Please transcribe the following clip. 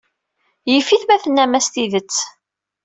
Yif-it ma tennam-as tidet.